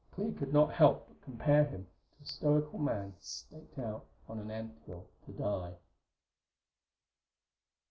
Clee could not help but compare him to a stoical man staked out on an anthill to die....